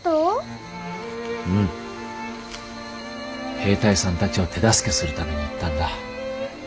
兵隊さんたちを手助けするために行ったんだ。